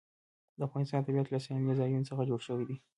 د افغانستان طبیعت له سیلاني ځایونو څخه جوړ شوی دی.